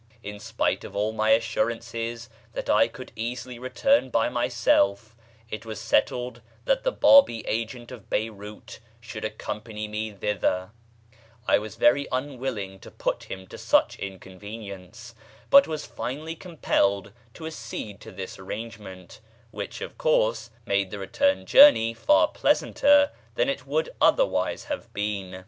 In spite of all my assurances that I could easily return by myself, it was settled that the Bábí agent of Beyrout should accompany me thither. I was very un 1 See B. i, p. 519; and pp. 355, n. 2, 358, and 360 362 infra. [page xlii] willing to put him to such inconvenience, but was finally compelled to accede to this arrangement, which, of course, made the return journey far pleasanter than it would otherwise have been.